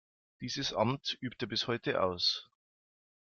Dieses Amt übt er bis heute aus.